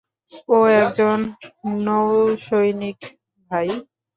ও একজন নৌসৈনিক, ভাই।